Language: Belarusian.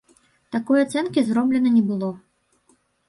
Такой ацэнкі зроблена не было.